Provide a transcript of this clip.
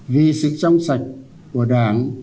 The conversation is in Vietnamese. vì sự trong sạch của đảng